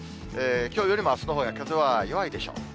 きょうよりもあすのほうが風は弱いでしょう。